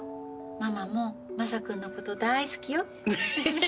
ママもマサ君のこと大好きよ。